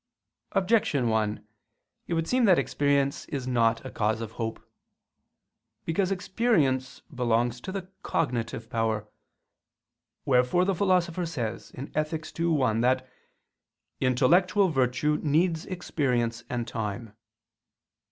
Objection 1: It would seem that experience is not a cause of hope. Because experience belongs to the cognitive power; wherefore the Philosopher says (Ethic. ii, 1) that "intellectual virtue needs experience and time."